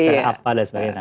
pay letter apa dan sebagainya